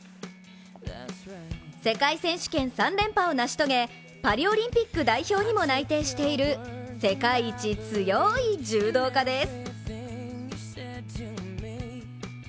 世界選手権３連覇を成し遂げパリオリンピック代表にも内定している世界一強い柔道家です。